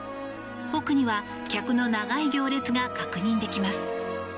奥には客の長い行列が確認できます。